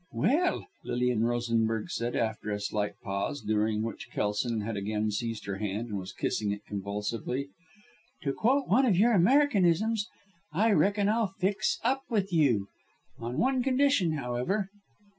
"Well!" Lilian Rosenberg said after a slight pause, during which Kelson had again seized her hand and was kissing it convulsively, "to quote one of your Americanisms I reckon I'll fix up with you. On one condition, however."